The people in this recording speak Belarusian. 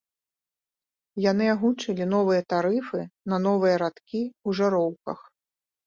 Яны агучылі новыя тарыфы на новыя радкі ў жыроўках.